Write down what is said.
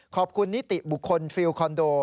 ขอบคุณนิติบุคคลฟิลคอนโด